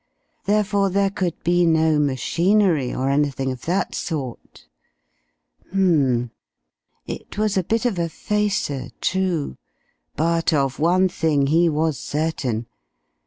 Therefore there could be no machinery, or anything of that sort. H'm. It was a bit of a facer, true; but of one thing he was certain.